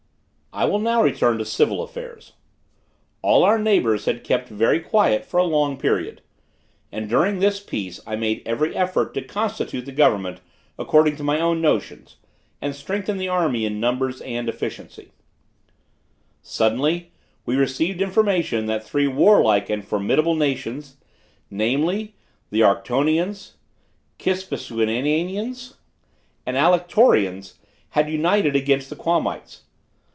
I will now return to civil affairs. All our neighbors had kept very quiet for a long period, and during this peace I made every effort to constitute the government according to my own notions, and strengthen the army in numbers and efficiency. Suddenly, we received information that three warlike and formidable nations, namely, the Arctonians, Kispusiananians and Alectorians, had united against the Quamites.